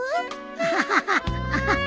アハハハアハハ！